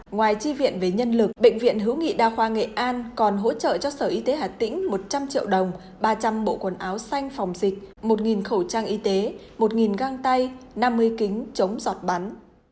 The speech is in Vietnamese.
ngoài chi viện về nhân lực bệnh viện hữu nghị đa khoa nghệ an còn hỗ trợ cho sở y tế hà tĩnh một trăm linh triệu đồng ba trăm linh bộ quần áo xanh phòng dịch một khẩu trang y tế một găng tay năm mươi kính chống giọt bắn